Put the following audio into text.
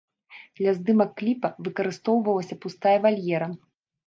Для здымак кліпа выкарыстоўвалася пустая вальера.